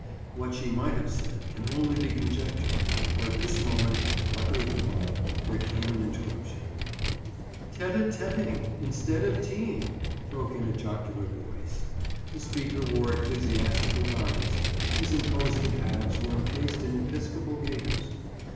What she might have said can only be conjectured, for at this moment, luckily for Bob, there came an interruption. "Tête à têting, instead of teeing!" broke in a jocular voice. The speaker wore ecclesiastical garments; his imposing calves were encased in episcopal gaiters.